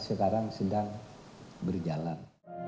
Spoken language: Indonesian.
sekarang sedang berjalan